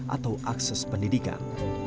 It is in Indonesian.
atau akses pendidikan